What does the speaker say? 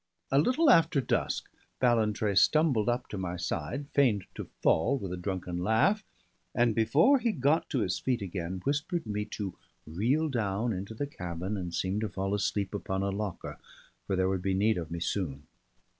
A little after dusk Ballantrae stumbled up to my side, feigned to fall, with a drunken laugh, and before he got to his feet again, whispered me to "reel down into the cabin and seem to fall asleep upon a locker, for there would be need of me soon."